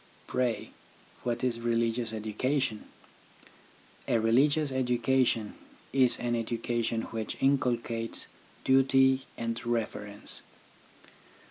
Pray, what is religious education ? A religious education is an education which inculcates duty and reverence.